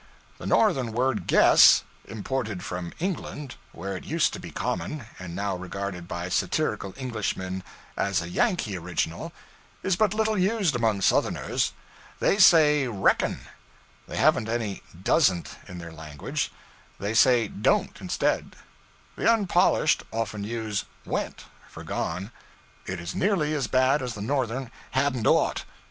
The Northern word 'guess' imported from England, where it used to be common, and now regarded by satirical Englishmen as a Yankee original is but little used among Southerners. They say 'reckon.' They haven't any 'doesn't' in their language; they say 'don't' instead. The unpolished often use 'went' for 'gone.' It is nearly as bad as the Northern 'hadn't ought.'